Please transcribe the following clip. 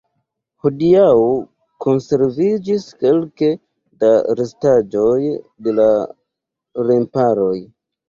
Hodiaŭ konserviĝis kelke da restaĵoj de la remparoj.